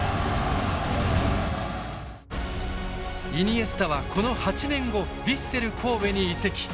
イニエスタはこの８年後ヴィッセル神戸に移籍。